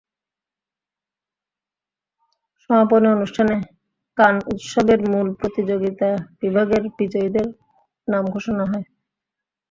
সমাপনী অনুষ্ঠানে কান উৎসবের মূল প্রতিযোগিতা বিভাগের বিজয়ীদের নাম ঘোষণা হয়।